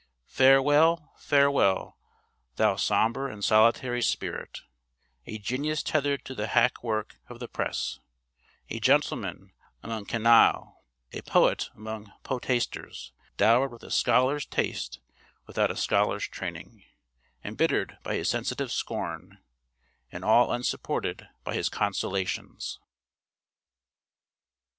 Farewell, farewell, thou sombre and solitary spirit: a genius tethered to the hack work of the press, a gentleman among canaille, a poet among poetasters, dowered with a scholar's taste without a scholar's training, embittered by his sensitive scorn, and all unsupported by his consolations.